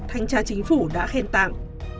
thanh tra chính phủ đã khen tặng